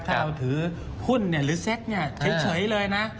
ถ้าเราถือหุ้นหรือเซ็กเฉยเลยนะ